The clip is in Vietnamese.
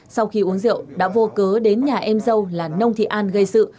sau khi uống rượu đã vô cớ đến nhà em dâu là nông thị an gây sự